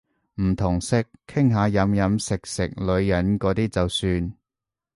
唔同色，傾下飲飲食食女人嗰啲就算